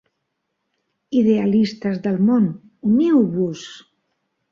Idealistes del món, uniu-vos!